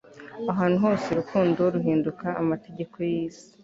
ahantu hose urukundo ruhinduka amategeko yisi